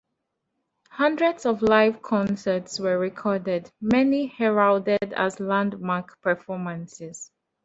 Hundreds of live concerts were recorded, many heralded as landmark performances.